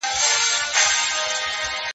زه له سهاره اوبه ورکوم!؟